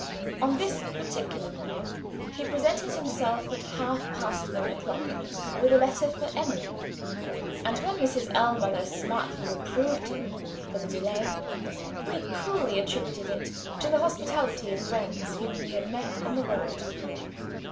On this particular morning he presented himself, at half past one o'clock, with a letter for Emily; and when Mrs. Ellmother smartly reproved him for the delay, he coolly attributed it to the hospitality of friends whom he had met on the road.